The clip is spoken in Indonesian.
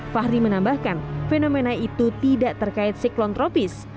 fahri menambahkan fenomena itu tidak terkait siklon tropis